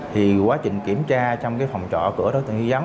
thì quá trình kiểm tra trong cái phòng trò cửa đối tượng nguyễn văn